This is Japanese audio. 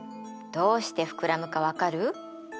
どうして膨らむか分かる？